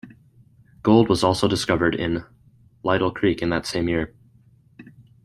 Gold was also discovered in Lytle Creek in that same year.